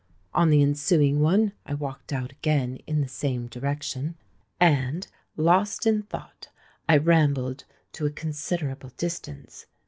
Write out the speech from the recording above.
On the ensuing one I walked out again in the same direction; and, lost in thought, I rambled to a considerable distance.